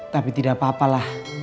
tapi tidak apa apalah